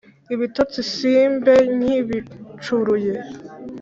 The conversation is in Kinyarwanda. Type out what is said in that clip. Ibitotsi simbe nkibicuruye